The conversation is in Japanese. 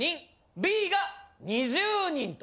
Ｂが２０人と。